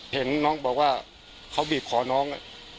เห็นน้องบอกว่าเขาบีบคอน้อง